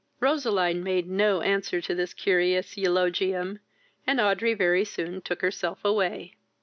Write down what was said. Roseline made no answer to this curious eulogium, and Audrey very soon took herself away.